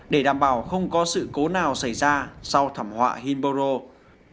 để đảm bảo không có sự cố nào xảy ra sau thảm họa hinboro